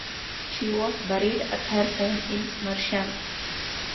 She was buried at her home in Mersham.